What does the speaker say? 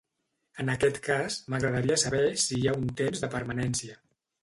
En aquest cas, m'agradaria saber si hi ha un temps de permanència.